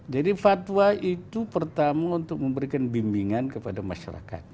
jadi fatwa itu pertama untuk memberikan bimbingan kepada masyarakat